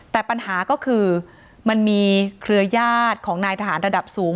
แต่ปัญหาก็คือมันมีเครือญาติของนายทหารระดับสูง